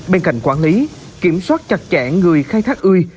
bên cạnh quản lý kiểm soát chặt chẽ người khai thác ươi